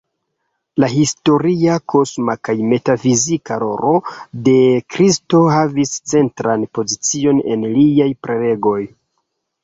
La historia, kosma kaj metafizika rolo de Kristo havis centran pozicion en liaj prelegoj.